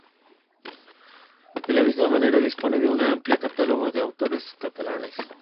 De la misma manera, dispone de un amplio catálogo de autores catalanes.